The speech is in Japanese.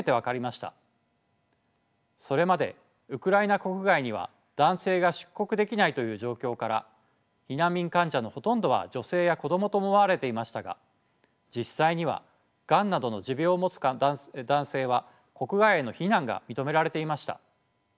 それまでウクライナ国外には男性が出国できないという状況から避難民患者のほとんどは女性や子供と思われていましたが実際にはがんなどの持病を持つ男性は国外への避難が認められていました。